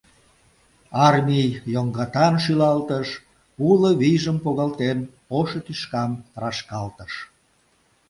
Армий йоҥгатан шӱлалтыш, уло вийжым погалтен, ошо тӱшкам рашкалтыш...